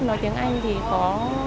nói tiếng anh thì có